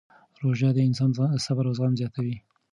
روژه د انسان صبر او زغم زیاتوي.